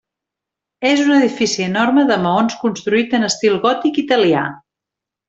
És un edifici enorme de maons construït en estil gòtic italià.